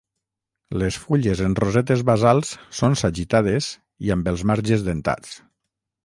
Les fulles en rosetes basals són sagitades i amb els marges dentats.